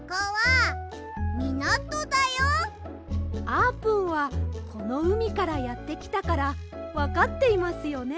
あーぷんはこのうみからやってきたからわかっていますよね？